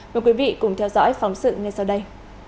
mời quý vị cùng theo dõi phóng sự ngay sau đây